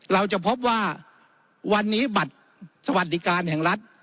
เราจะพบว่าวันนี้บัตรสวัสดิการแห่งรัฐ